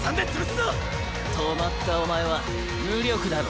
止まったお前は無力だろ。